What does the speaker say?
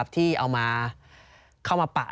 ที่เอามาเข้ามาปะ